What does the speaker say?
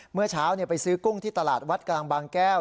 เมื่อเช้าไปซื้อกุ้งที่ตลาดวัดกลางบางแก้ว